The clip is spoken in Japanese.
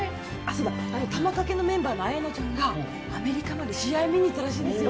そうだ魂掛けのメンバーのアヤノちゃんがアメリカまで試合見に行ったらしいんですよ